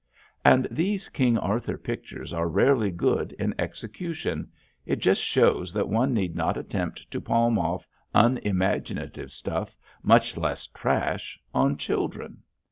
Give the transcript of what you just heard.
And these King Arthur pictures are rarely good in execution. It just shows that one need not attempt to palm off unimaginative stuff, much less trash, on children.